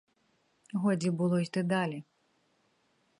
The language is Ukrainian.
Годі було йти далі.